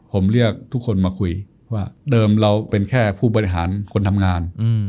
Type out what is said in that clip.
ผมเรียกทุกคนมาคุยว่าเดิมเราเป็นแค่ผู้บริหารคนทำงาน